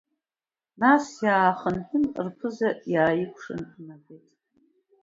Нас иаахынҳәын рԥыза иааикәшаны инатәеит.